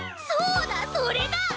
そうだそれだ！